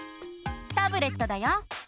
タブレットだよ！